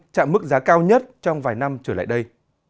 chạm mức giá cao nhất trong vài năm trở lại đây